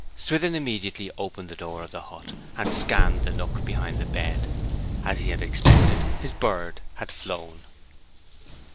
Swithin immediately opened the door of the hut, and scanned the nook behind the bed. As he had expected his bird had flown.